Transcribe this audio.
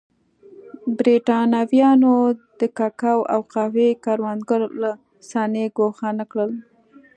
برېټانویانو د کوکو او قهوې کروندګر له صحنې ګوښه نه کړل.